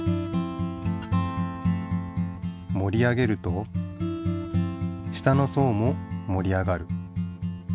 もり上げると下の層ももり上がる。